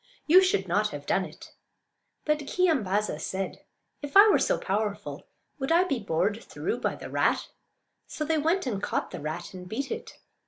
You should not have done it." But Keeyambaaza said, "If I were so powerful would I be bored through by the rat?" So they went and caught the rat and beat it.